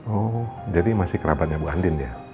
oh jadi masih kerabatnya bu andin ya